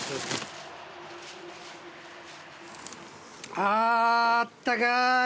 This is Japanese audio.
あぁあったかーい。